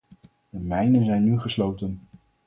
De mijnen zijn nu gesloten.